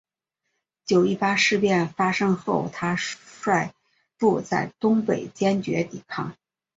九一八事变发生后他率部在东北坚决抵抗。